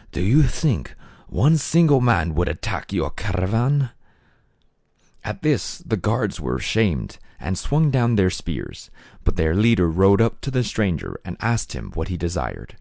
" Do you think one single man would attack your caravan ?" At this the guards were ashamed and swung down their spears, but their leader rode up to the stranger and asked him what he desired.